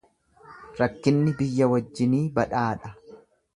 Rakkinni biyya wajjinii badhaadha.